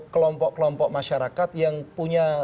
kelompok kelompok masyarakat yang punya